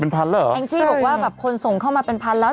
เป็นพันแล้วใช่ไหมแองจี้บอกว่าคนส่งเข้ามาเป็นพันแล้ว